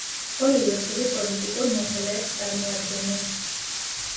ორივე პირი პოლიტიკურ მოხელეებს წარმოადგენენ.